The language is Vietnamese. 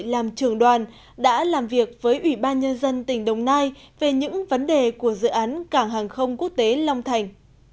làm trường đoàn đã làm việc với ủy ban nhân dân tỉnh đồng nai về những vấn đề của dự án cảng hàng không quốc tế long thành